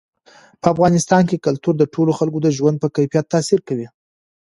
په افغانستان کې کلتور د ټولو خلکو د ژوند په کیفیت تاثیر کوي.